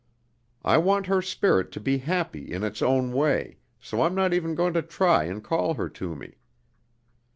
I want her spirit to be happy in its own way, so I'm not even going to try and call her to me.